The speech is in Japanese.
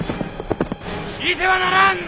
退いてはならん！